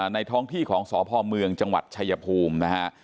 ท้องที่ของสพเมืองจังหวัดชายภูมินะฮะ